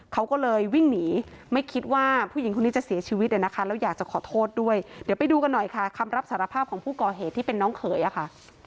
เขาก็เลยวิ่งหนีไม่คิดว่าผู้หญิงคนนี้จะเสียชีวิตนะคะแล้วอยากจะขอโทษด้วยเดี๋ยวไปดูกันหน่อยค่ะคำรับสารภาพของผู้ก่อเหตุที่เป็นน้องเขยอะค่ะ